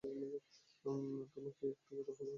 তোমার কি একটু কৌতুহলও হচ্ছে না?